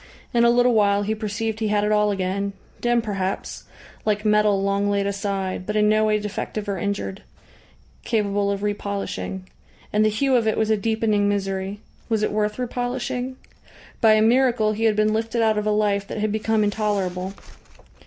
In a little while he perceived he had it all again; dim perhaps, like metal long laid aside, but in no way defective or injured, capable of re polishing. And the hue of it was a deepening misery. Was it worth re polishing? By a miracle he had been lifted out of a life that had become intolerable....